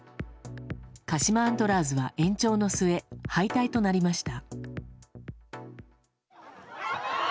鹿島アントラーズは延長の末、敗退となりました。